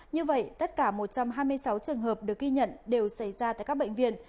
như vậy tất cả một trăm hai mươi sáu trường hợp được ghi nhận đều xảy ra tại các bệnh viện